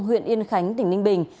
huyện yên khánh tỉnh ninh bình